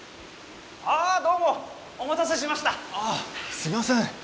すいません。